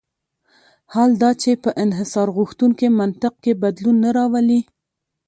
حال دا چې په انحصارغوښتونکي منطق کې بدلون نه راولي.